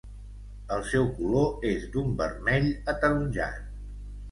El seu color és d'un vermell ataronjat.